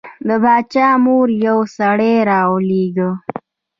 د باچا مور یو سړی راولېږه.